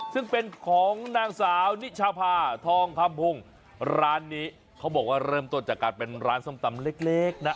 ซึ่งเป็นของนางสาวนิชาพาทองคำพงศ์ร้านนี้เขาบอกว่าเริ่มต้นจากการเป็นร้านส้มตำเล็กนะ